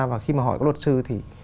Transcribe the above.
và khi mà hỏi các luật sư thì